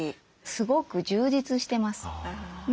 すごく充実してます。